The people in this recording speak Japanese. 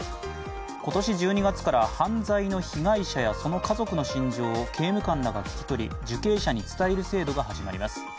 今年１２月から犯罪の被害者やその家族の心情を刑務官らが聞き取り、受刑者に伝える制度が始まります。